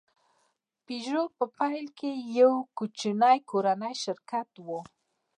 پيژو په پیل کې یو کوچنی کورنی شرکت و.